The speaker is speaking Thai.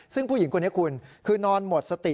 ซึ่งผู้หญิงคนนี้คุณคือนอนหมดสติ